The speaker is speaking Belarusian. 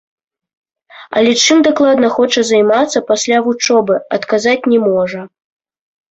Але чым дакладна хоча займацца пасля вучобы, адказаць не можа.